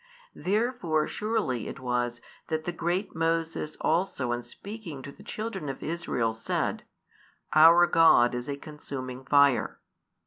Therefore surely it was that the great Moses also in speaking to the children of Israel said: Our God is a consuming Fire.